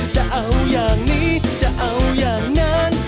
จะเอาอย่างนี้จะเอาอย่างนั้น